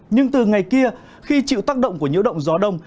nhưng từ ngày kia khi chịu tác động của nhiễu động gió đông